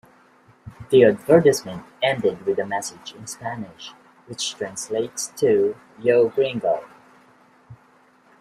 The advertisement ended with a message in Spanish which translates to Yo, gringo!